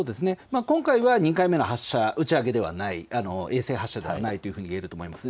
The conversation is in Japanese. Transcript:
今回は２回目の発射、打ち上げではない、衛星発射ではないと言えると思います。